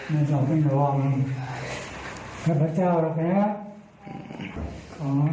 มันจะเป็นหวังให้พระเจ้ารักแน่